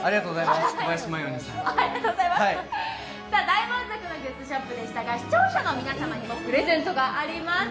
大満足のグッズショップでしたが視聴者の皆様にもプレゼントがあります。